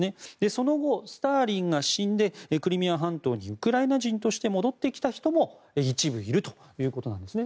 その後、スターリンが死んでクリミア半島にウクライナ人として戻ってきた人も一部いるということなんですね。